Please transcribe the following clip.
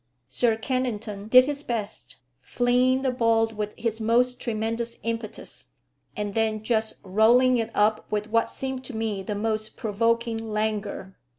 Sir Kennington did his best, flinging the ball with his most tremendous impetus, and then just rolling it up with what seemed to me the most provoking languor.